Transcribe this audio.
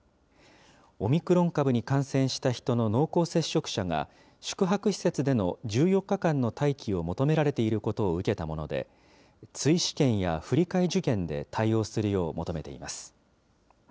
オミクロン株に感染した人の濃厚接触者が、宿泊施設での１４日間の待機を求められていることを受けたもので、追試験や振り替え受験で対応するよう求めています。